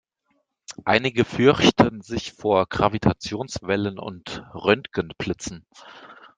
Einige fürchten sich vor Gravitationswellen und Röntgenblitzen.